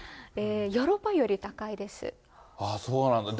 ヨーロッパより高いです。